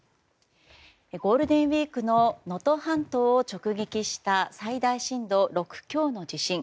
ゴールデンウィークの能登半島を直撃した最大震度６強の地震。